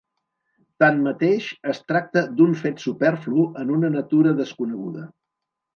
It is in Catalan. Tanmateix, es tracta d'un fet superflu en una natura desconeguda.